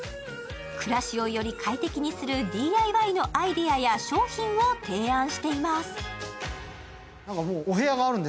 暮らしをより快適にするＤＩＹのアイデアや商品を提案しています。